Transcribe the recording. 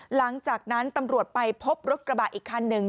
หลังจากนั้นตำรวจไปพบรถกระบะอีกคันหนึ่ง